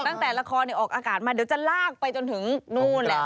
ตั้งแต่ละครออกอากาศมาเดี๋ยวจะลากไปจนถึงนู่นแหละ